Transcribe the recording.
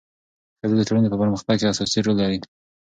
ښځې د ټولنې په پرمختګ کې اساسي رول لري.